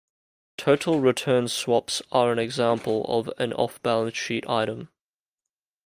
Total return swaps are an example of an off-balance sheet item.